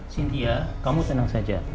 cynthia kamu tenang saja